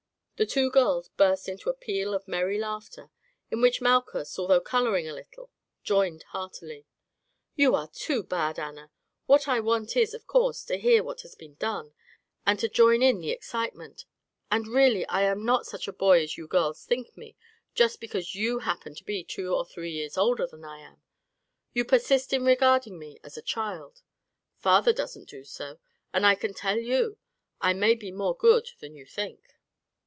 The two girls burst into a peal of merry laughter, in which Malchus, although colouring a little, joined heartily. "You are too bad, Anna; what I want is, of course, to hear what has been done, and to join in the excitement, and really I am not such a boy as you girls think me, just because you happen to be two or three years older than I am. You persist in regarding me as a child; father doesn't do so, and I can tell you I may be more good than you think."